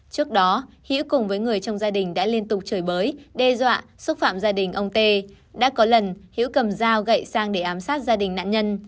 trước đó hữu cùng với người trong gia đình đã liên tục trời bới đe dọa xúc phạm gia đình ông t đã có lần hữu cầm dao gậy sang để ám sát gia đình nạn nhân